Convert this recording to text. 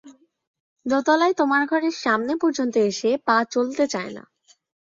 দোতলায় তোমার ঘরের সামনে পর্যন্ত এসে পা চলতে চায় না।